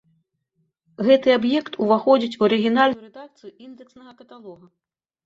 Гэты аб'ект уваходзіць у арыгінальную рэдакцыю індэкснага каталога.